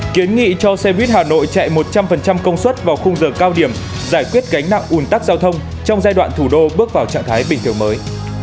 kiến nghị cho xe buýt hà nội chạy một trăm linh công suất vào khung giờ cao điểm giải quyết gánh nặng ủn tắc giao thông trong giai đoạn thủ đô bước vào trạng thái bình thường mới